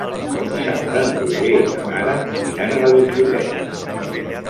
Dissabte en Roger i na Lara aniran a la biblioteca.